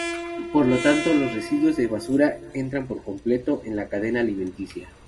Por lo tanto, los residuos de basura entran por completo en la cadena alimenticia.